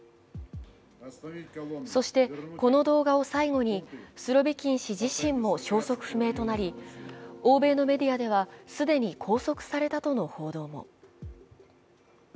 そして、この動画を最後にスロビキン氏自身も消息不明となり欧米のメディアでは既に拘束されたとの報道も。